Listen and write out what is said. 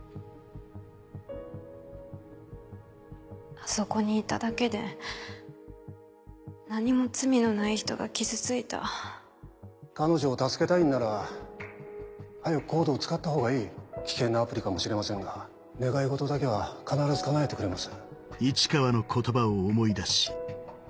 あそこにいただけで何も罪のない人が傷ついた彼女を助けたいんなら早くＣＯＤＥを使った方がいい危険なアプリかもしれませんが願い事だけは必ず叶えてくれます